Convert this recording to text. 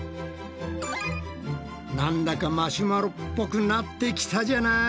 なんだかマシュマロっぽくなってきたじゃない。